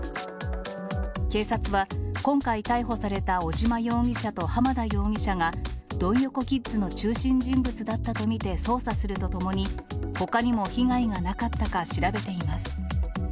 警察は、今回逮捕された尾島容疑者と浜田容疑者が、ドン横キッズの中心人物だったと見て捜査するとともに、ほかにも被害がなかったか調べています。